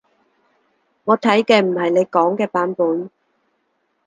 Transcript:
我睇嘅唔係你講嘅版本